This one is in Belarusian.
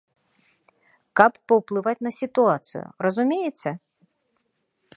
Каб паўплываць на сітуацыю, разумееце?